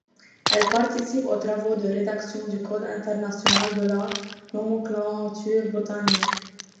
Elle participe aux travaux de rédaction du Code international de la nomenclature botanique.